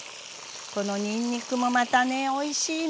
このにんにくもまたねおいしいの。